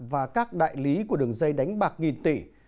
và các đại lý của đường dây đánh bạc nghìn tỷ